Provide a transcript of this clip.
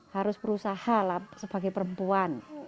harus berusaha lah sebagai perempuan